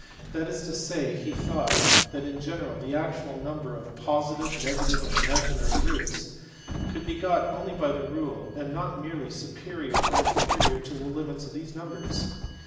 That is to say he thought that in general the actual number of positive, negative arid imaginary roots could be got by the rule and not merely superior or inferior limits to these numbers.